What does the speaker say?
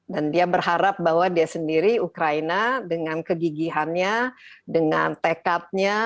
dan dia berharap bahwa dia sendiri ukraina dengan kegigihannya dengan tekadnya